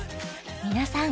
皆さん